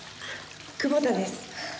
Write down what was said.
久保田です。